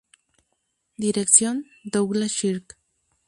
Dirección: Douglas Sirk.